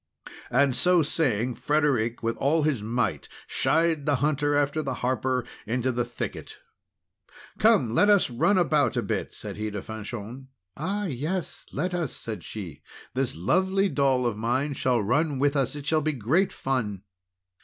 And so saying, Frederic, with all his might, shied the hunter after the harper into the thicket. "Come, let us run about a bit," said he to Fanchon. "Ah, yes! let us," said she. "This lovely doll of mine shall run with us. It will be great fun!"